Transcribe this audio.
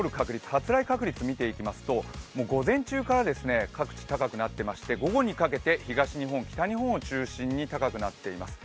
発雷確率を見ていきますと午前中から各地高くなっていまして、午後にかけて東日本、北日本を中心に高くなっています。